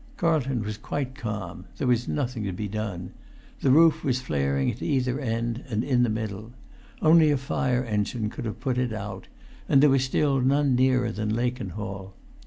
Carlton was quite calm. There was nothing to be done. The roof was flaring at either end and in the[Pg 393] middle. Only a fire engine could have put it out, and there was still none nearer than Lakenhall.